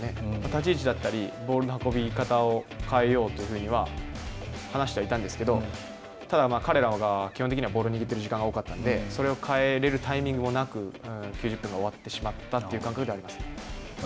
立ち位置だったりボールの運び方を変えようというふうには話してはいたんですけど、ただ、彼らが基本的にボールを握っている時間が多かったので、それを変えれるタイミングもなく、９０分が終わってしまったという感覚ではありました。